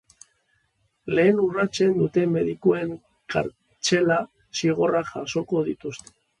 Legea urratzen duten medikuek kartzela zigorrak jasoko dituzte.